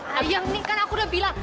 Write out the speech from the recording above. ayang ini kan aku udah bilang